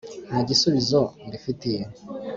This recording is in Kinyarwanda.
nta gisubizo’mbi fitiye